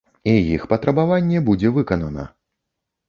І іх патрабаванне будзе выканана.